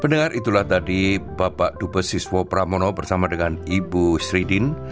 pendengar itulah tadi bapak dubes seswa pramono bersama dengan ibu sri din